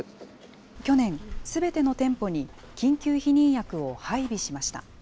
去年、すべての店舗に緊急避妊薬を配備しました。